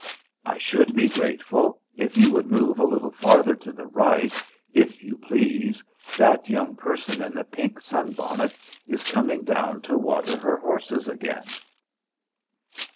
"I should be grateful if you would move a little farther to the right, if you please. That young person in the pink sunbonnet is coming down to water her horses again."